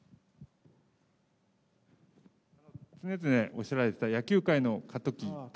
つねづねおっしゃられてた、野球界の過渡期。